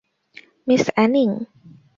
Miss Anning?